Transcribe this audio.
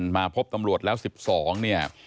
มาพบตำรวจแล้ว๑๒เนี่ย